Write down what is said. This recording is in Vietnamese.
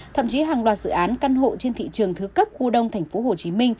thậm chí hàng loạt dự án căn hộ trên thị trường thứ cấp khu đông tp hcm